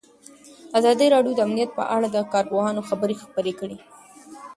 ازادي راډیو د امنیت په اړه د کارپوهانو خبرې خپرې کړي.